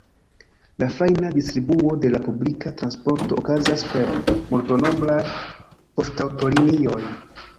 La fajna distribuo de la publika transporto okazas per multnombraj poŝtaŭtolinioj.